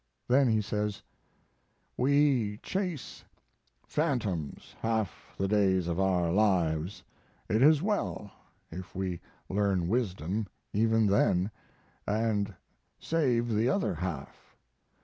Then he says: We chase phantoms half the days of our lives. It is well if we learn wisdom even then, and save the other half.